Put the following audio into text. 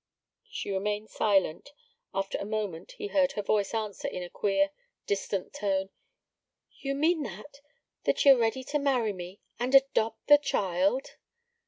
She remained silent. After a moment he heard her voice answer in a queer, distant tone: 'You mean that that ye're ready to marry me, and adopt the child?'